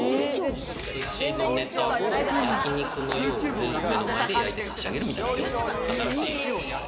寿司のネタを焼き肉のように、目の前で焼いて差し上げるみたいな。